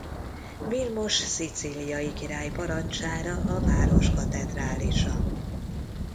Vilmos szicíliai király parancsára a város katedrálisa.